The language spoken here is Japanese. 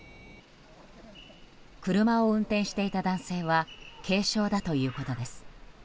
車を運転していた男性は軽傷だということです。